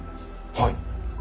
はい。